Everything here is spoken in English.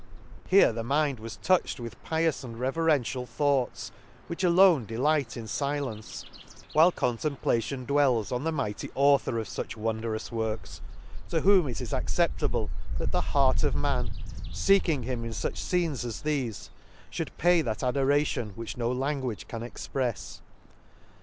79 —Here the mind was touched with pious and reverential thoughts, which alone delight in filence, whilft contem plation dwells on the mighty author of fuch wondrous works ; to whom it is ac ceptable, that the heart of man, feeking him in fuch fcenes as thefe, fhould pay that adoration which no language can exprefs.